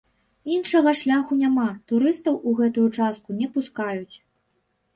Іншага шляху няма, турыстаў у гэтую частку не пускаюць.